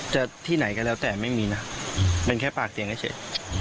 จะที่ไหนก็แล้วแต่ไม่มีนะเป็นแค่ปากเสียงเฉย